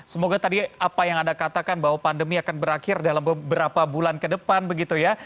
semoga tadi apa yang anda katakan bahwa pandemi akan berakhir dalam beberapa bulan ke depan begitu ya